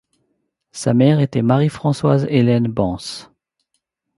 Sa mère était Marie-Françoise Hélène Bensse.